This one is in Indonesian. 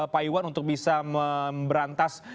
pak iwan untuk bisa memberantas